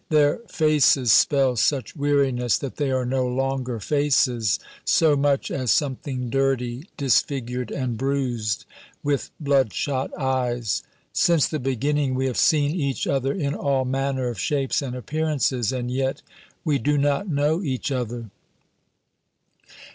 Their faces spell such weariness that they are no longer faces so much as something dirty, disfigured and bruised, with blood shot eyes. Since the beginning we have seen each other in all manner of shapes and appearances, and yet we do not know each other.